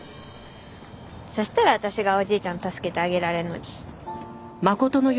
そしたら私がおじいちゃん助けてあげられるのに。